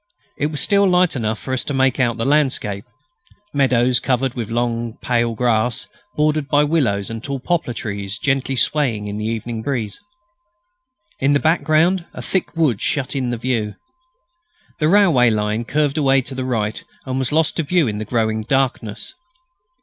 It was still light enough for us to make out the landscape meadows covered with long pale grass, bordered by willows and tall poplar trees gently swaying in the evening breeze. In the background a thick wood shut in the view. The railway line curved away to the right and was lost to view in the growing darkness.